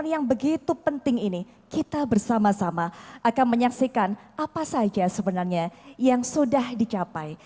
dan yang begitu penting ini kita bersama sama akan menyaksikan apa saja sebenarnya yang sudah dicapai